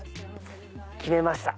決めました。